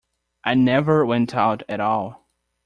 I never went out at all.